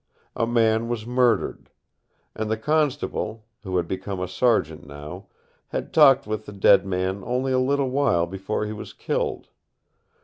A man was murdered. And the constable, who had become a sergeant now, had talked with the dead man only a little while before he was killed.